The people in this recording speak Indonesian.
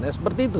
ya seperti itu